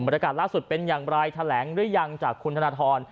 อากาศล่าสุดเป็นอย่างไรแถลงหรือยังจากคุณธนทร